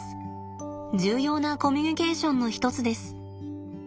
重要なコミュニケーションの一つです。